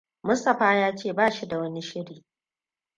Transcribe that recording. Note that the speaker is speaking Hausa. Mustapha ya ce ba shi da wani shiri.